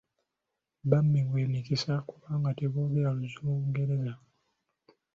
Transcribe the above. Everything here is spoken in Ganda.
Bammibwa emikisa kubanga teboogera Lungereza.